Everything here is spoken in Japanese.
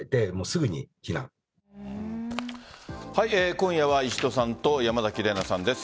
今夜は石戸さんと山崎怜奈さんです。